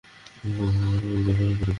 হ্যাঁ, আমার বইটা।